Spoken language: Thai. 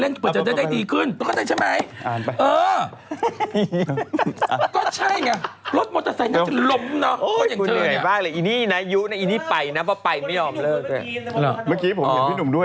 แล้วราวเขาก็แบบจบเป็นเรื่อง